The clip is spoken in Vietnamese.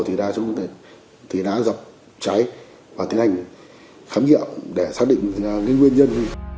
thì đã dọc cháy và tiến hành khám nghiệm để xác định nguyên nhân